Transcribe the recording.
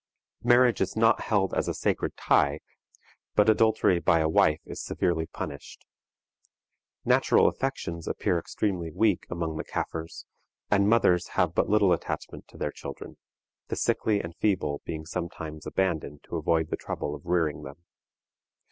Marriage is not held as a sacred tie, but adultery by a wife is severely punished. Natural affections appear extremely weak among the Kaffirs, and mothers have but little attachment to their children, the sickly and feeble being sometimes abandoned to avoid the trouble of rearing them.